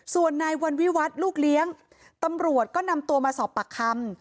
ส่วนนายวันวิวัตรลูกเลี้ยงตำรวจก็นำตัวมาสอบปากคำ